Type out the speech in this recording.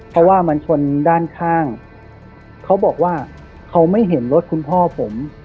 เพราะว่ามันชนด้านข้างเขาบอกว่าเขาไม่เห็นรถคุณพ่อผม